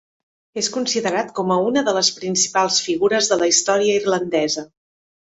És considerat com a una de les principals figures de la història irlandesa.